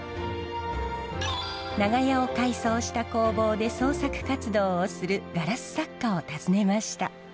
長屋を改装した工房で創作活動をするガラス作家を訪ねました。